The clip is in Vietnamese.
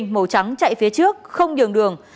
màu trắng chạy phía trước không nhường đường